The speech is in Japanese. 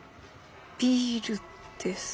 ビールですか。